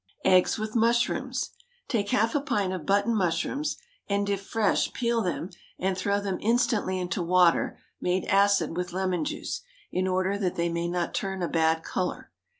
EGGS WITH MUSHROOMS. Take half a pint of button mushrooms and, if fresh, peel them and throw them instantly into water made acid with lemon juice, in order that they may not turn a bad colour.